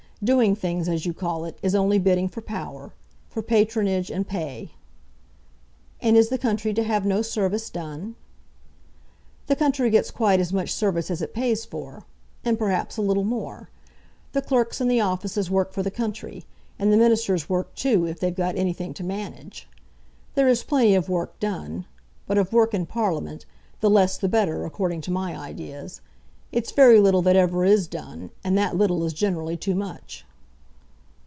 Doing things, as you call it, is only bidding for power, for patronage and pay." "And is the country to have no service done?" "The country gets quite as much service as it pays for, and perhaps a little more. The clerks in the offices work for the country. And the Ministers work too, if they've got anything to manage. There is plenty of work done; but of work in Parliament, the less the better, according to my ideas. It's very little that ever is done, and that little is generally too much."